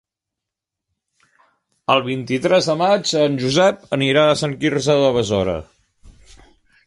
El vint-i-tres de maig en Josep anirà a Sant Quirze de Besora.